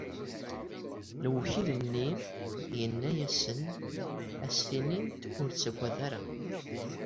Lewkil-nni yenna-asen: Ɣas thennit, ur ttagadet ara!